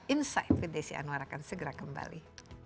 insight with desi anwar akan segera kembali